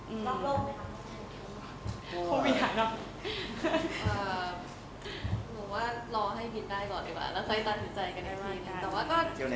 หรือว่ารอให้บิ๊นได้ก่อนดีกว่าแล้วค่อยตั้งสุดใจกันได้ก่อน